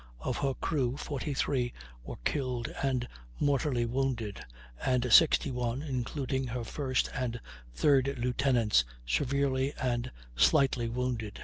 Of her crew 43 were killed and mortally wounded, and 61 (including her first and third lieutenants) severely and slightly wounded.